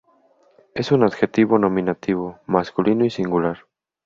Es un adjetivo nominativo, masculino y singular.